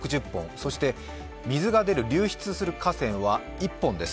そして水が出る、流出する河川は１本です。